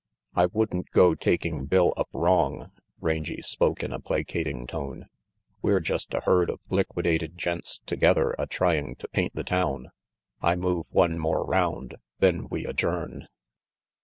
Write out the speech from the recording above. "I wouldn't go taking Bill up wrong," Rangy spoke in a placating tone. "We're just a herd of liquidated gents together a trying to paint the town. I move one more round; then we adjourn."